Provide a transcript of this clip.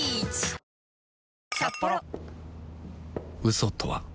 嘘とは